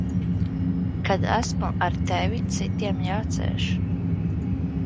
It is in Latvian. Kad esmu ar tevi, citiem jācieš.